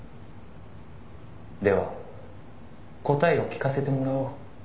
「では答えを聞かせてもらおう」